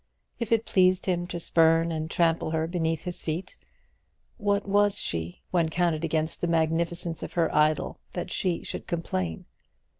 If it pleased him to spurn and trample her beneath his feet, what was she, when counted against the magnificence of her idol, that she should complain?